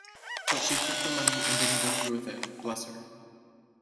But she took the money and didn't go through with it, bless her.